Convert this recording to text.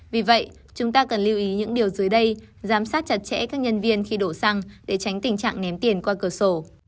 vì vậy chúng ta cần lưu ý những điều dưới đây giám sát chặt chẽ các nhân viên khi đổ xăng để tránh tình trạng ném tiền qua cửa sổ